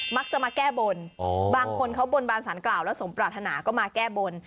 มักจะมาแก้บนบางคนเขาบนบานสารกล่าวแล้วสมปรารถนาก็มาแก้บน